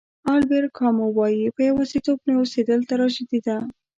البر کامو وایي په یوازېتوب نه اوسېدل تراژیدي ده.